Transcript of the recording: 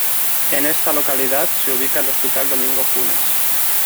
En esta localidad se ubica el hospital Domingo Funes.